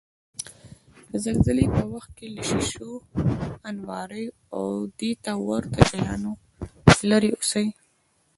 د زلزلې په وخت کې له شیشو، انواریو، او دېته ورته شیانو لرې اوسئ.